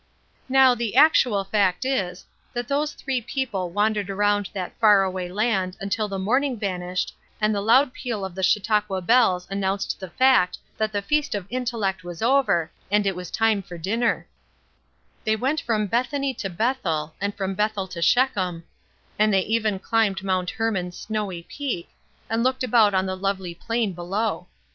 Now, the actual fact is, that those three people wandered around that far away land until the morning vanished and the loud peal of the Chautauqua bells announced the fact that the feast of intellect was over, and it was time for dinner They went from Bethany to Bethel, and from Bethel to Shechem, and they even climbed Mount Hermon's snowy peak, and looked about on the lovely plain below.